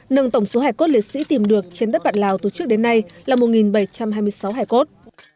nâng tổng số hài cốt liệt sĩ tìm được trên đất bản lào từ trước đến nay là một bảy trăm hai mươi sáu hài cốt